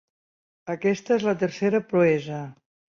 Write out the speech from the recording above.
Aquesta és la tercera proesa.